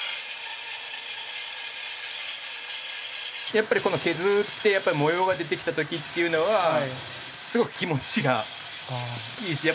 やっぱりこの削って模様が出てきた時というのはすごく気持ちがいいです。